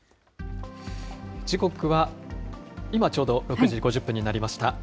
時刻は今ちょうど６時５０分になりました。